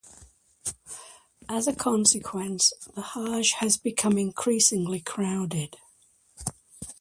As a consequence, the Hajj has become increasingly crowded.